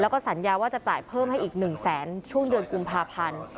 แล้วก็สัญญาว่าจะจ่ายเพิ่มให้อีก๑แสนช่วงเดือนกุมภาพันธ์